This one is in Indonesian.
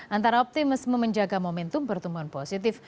antara optimis memenjaga momentum pertumbuhan positif